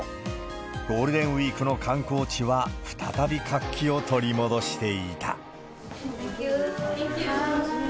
ゴールデンウィークの観光地は、再び活気を取り戻していた。